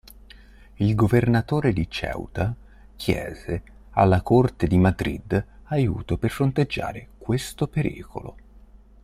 Il governatore di Ceuta chiese alla corte di Madrid aiuto per fronteggiare questo pericolo.